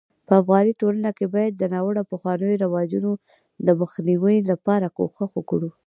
په افغاني ټولنه کي بايد د ناړوه پخوانيو رواجونو دمخ نيوي لپاره کوښښ وکړو